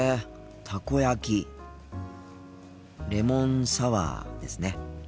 たこ焼きレモンサワーですね。